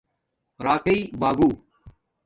راکئ باگُو